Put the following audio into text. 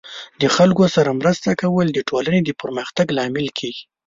د خلکو سره مرسته کول د ټولنې د پرمختګ لامل کیږي.